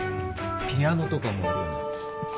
ピアノとかもあるよな